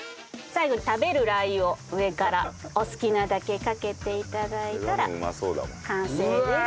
最後に食べるラー油を上からお好きなだけかけて頂いたら完成です。